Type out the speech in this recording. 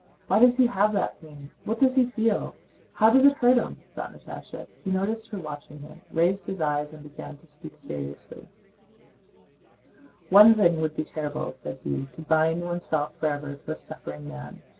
Why does he have that pain? What does he feel? How does it hurt him?" thought Natásha. He noticed her watching him, raised his eyes, and began to speak seriously: "One thing would be terrible," said he: "to bind oneself forever to a suffering man.